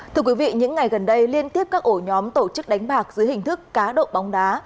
thưa quý vị những ngày gần đây liên tiếp các ổ nhóm tổ chức đánh bạc dưới hình thức cá độ bóng đá